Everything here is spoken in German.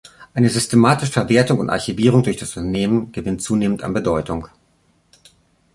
Eine systematische Verwertung und Archivierung durch das Unternehmen gewinnt zunehmend an Bedeutung.